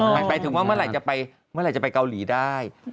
หมายถึงว่าเมื่อไหร่จะไปเมื่อไหร่จะไปเกาหลีได้